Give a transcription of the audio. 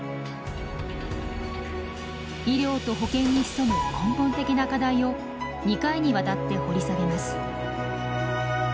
医療と保健に潜む根本的な課題を２回にわたって掘り下げます。